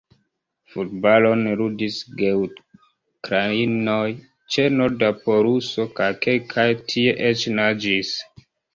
Futbalon ludis geukrainoj ĉe norda poluso – kaj kelkaj tie eĉ naĝis.